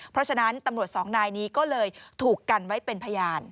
เพราะฉะนั้นตำรวจสองนายนี้ก็เลยถูกกันไว้เป็นพยาน